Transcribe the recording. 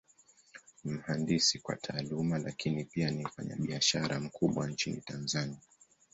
Ni mhandisi kwa Taaluma, Lakini pia ni mfanyabiashara mkubwa Nchini Tanzania.